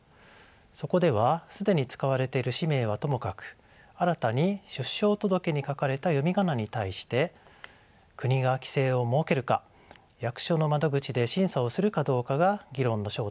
そこでは既に使われている氏名はともかく新たに出生届に書かれた読み仮名に対して国が規制を設けるか役所の窓口で審査をするかどうかが議論の焦点となりました。